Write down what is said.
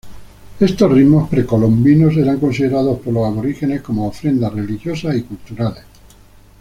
Estos ritmos precolombinos eran considerados por los aborígenes como ofrendas religiosas y culturales.